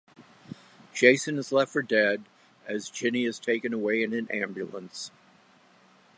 Jason is left for dead as Ginny is taken away in an ambulance.